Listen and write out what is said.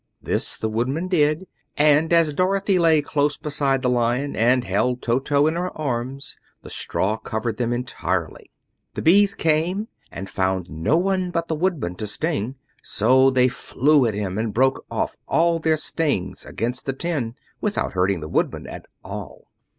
This the Woodman did, and as Dorothy lay close beside the Lion and held Toto in her arms, the straw covered them entirely. The bees came and found no one but the Woodman to sting, so they flew at him and broke off all their stings against the tin, without hurting the Woodman at all.